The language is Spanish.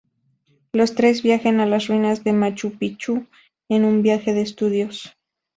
Los tres viajan a las ruinas de Machu Pichu en un viaje de estudios.